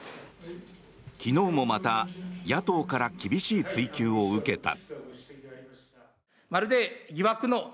昨日もまた野党から厳しい追及を受けた。